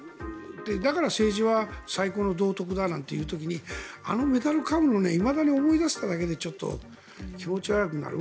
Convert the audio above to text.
だから政治は最高の道徳だなんていう時にあのメダルかむのはいまだに思い出すだけでちょっと気持ち悪くなる。